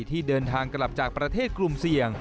ที่เดินทางกลับจากประเทศกลุ่มเสี่ยง